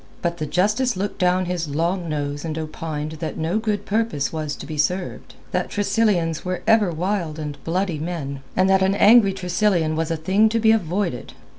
But the Justice looked down his long nose and opined that no good purpose was to be served; that Tressilians were ever wild and bloody men; and that an angry Tressilian was a thing to be avoided.